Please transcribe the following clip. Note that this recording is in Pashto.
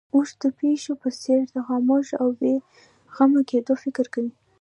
اوښ د پيشو په څېر د خاموش او بې غمه کېدو فکر کوي.